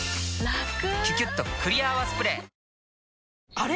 あれ？